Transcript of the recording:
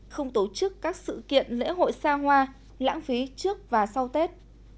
không tổ chức các sự kiện lễ hội xa hoa lãng phí trước và sau tết